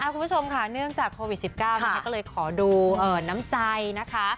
คุณผู้ชมค่ะเนื่องจากโควิด๑๙นะคะก็เลยขอดูน้ำใจนะคะ